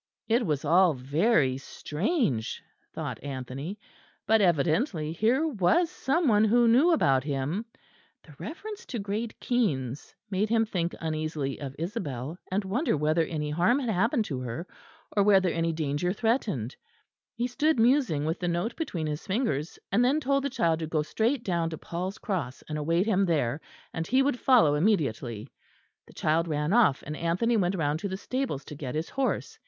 It was all very strange, thought Anthony, but evidently here was some one who knew about him; the reference to Great Keynes made him think uneasily of Isabel and wonder whether any harm had happened to her, or whether any danger threatened. He stood musing with the note between his fingers, and then told the child to go straight down to Paul's Cross and await him there, and he would follow immediately. The child ran off, and Anthony went round to the stables to get his horse.